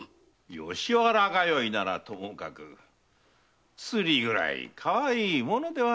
吉原通いならともかく釣りぐらいかわいいものではないか。